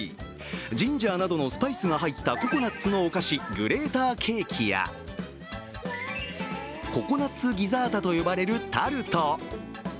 ジンジャーなどのスパイスが入ったココナッツのお菓子、グレーターケーキやココナッツギザータと呼ばれるタルト。